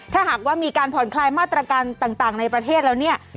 ถ้าหากว่ามีการผ่อนคลายมาตรการต่างในประเทศแล้วเนี่ย